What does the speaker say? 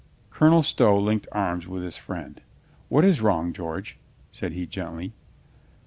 Colonel Stow linked arms with his friend. "What is wrong, George?" said he gently.